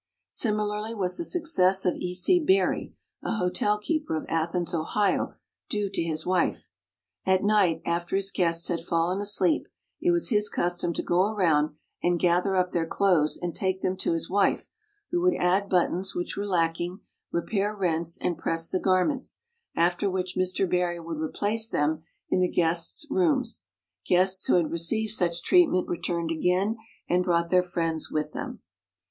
Similarly was the success of E. C. Berry, a hotel keeper of Athens, Ohio, due to his wife. "At night, after his guests had fallen asleep, it was his custom to go around and gather up their clothes and take them to his wife, who would add buttons which were lacking, repair rents, and press the garments, ^after which Mr. Berry w r ould replace them in the guests' rooms. Guests who had received such treat ment returned again and brought their friends with them."